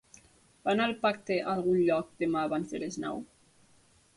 Fan El Pacte a algun lloc, demà abans de les nou?